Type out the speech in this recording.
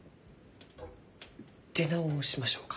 出直しましょうか？